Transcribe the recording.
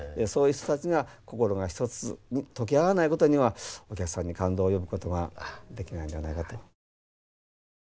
そういう人たちが心が一つに溶け合わないことにはお客さんに感動を呼ぶことはできないのではないかと。